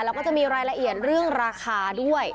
แล้วก็จะมีรายละเอียดเรื่องราคาด้วย